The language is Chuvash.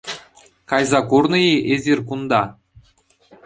Кайса курнӑ-и эсир кунта?